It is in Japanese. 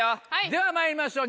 ではまいりましょう。